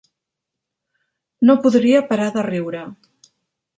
No podria parar de riure.